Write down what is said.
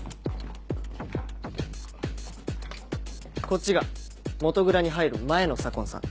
こっちが元蔵に入る前の左紺さん。